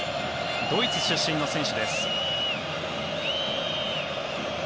ドイツ出身の選手です。